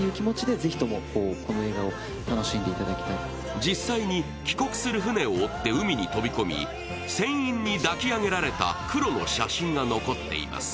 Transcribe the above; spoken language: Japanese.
実は実際に帰国する船を追って海に飛び込み船員に抱き上げられたクロの写真が残っています。